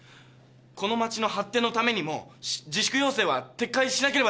この町の発展のためにも自粛要請は撤回しなければならないんです。